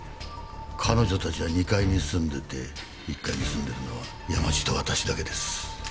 彼女たちは２階に住んでて１階に住んでるのは山路と私だけです。